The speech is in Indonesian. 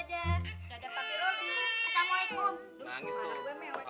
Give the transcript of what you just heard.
lo gak ajak dia masuk ya